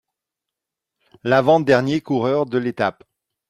L'avant dernier coureur de l'étape.